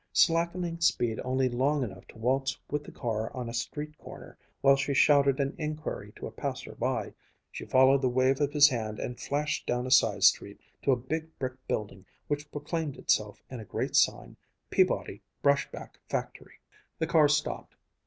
Slackening speed only long enough to waltz with the car on a street corner while she shouted an inquiry to a passer by, she followed the wave of his hand and flashed down a side street to a big brick building which proclaimed itself in a great sign, "Peabody Brush back Factory." The car stopped.